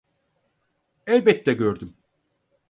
Elbette gördüm.